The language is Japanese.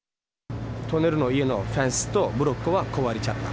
隣の家のフェンスとブロックは壊れちゃった。